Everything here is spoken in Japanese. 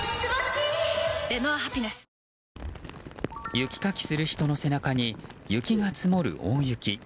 雪かきする人の姿に雪が積もる大雪。